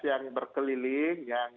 yang berkeliling yang